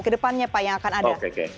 ke depannya yang akan ada